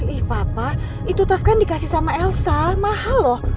ih papa itu tas kan dikasih sama elsa mahal loh